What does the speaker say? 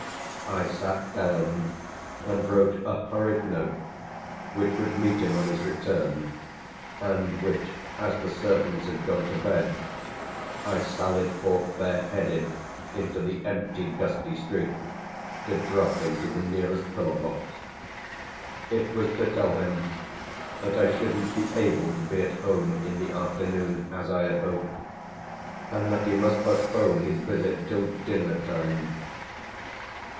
I sat down and wrote a hurried note which would meet him on his return and which as the servants had gone to bed I sallied forth bareheaded into the empty, gusty street to drop into the nearest pillar box. It was to tell him that I shouldn't be able to be at home in the afternoon as I had hoped and that he must postpone his visit till dinner time.